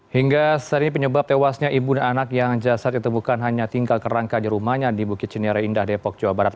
hingga saat ini penyebab tewasnya ibu dan anak yang jasad itu bukan hanya tinggal kerangka di rumahnya di bukit cinere indah depok jawa barat